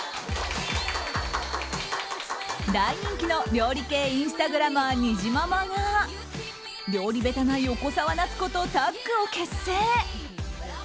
大人気の料理系インスタグラマーにじままが料理下手な横澤夏子とタッグを結成。